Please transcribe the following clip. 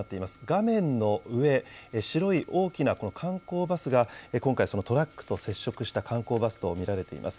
画面の上、白い大きなこの観光バスが今回そのトラックと接触した観光バスと見られています。